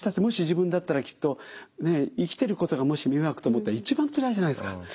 もし自分だったらきっと生きてることがもし迷惑と思ったら一番つらいじゃないですか。